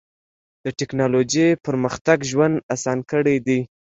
د ټکنالوجۍ پرمختګ ژوند اسان کړی دی.